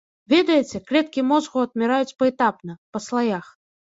Ведаеце, клеткі мозгу адміраюць паэтапна, па слаях.